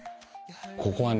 ここはね